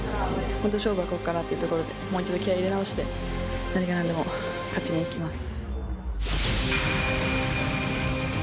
本当の勝負はここからというところでもう一度、気合い入れ直して何がなんでも勝ちにいきます。